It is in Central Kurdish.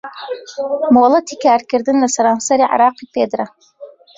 مۆلەتی کارکردن لە سەرانسەری عێراقی پێدرا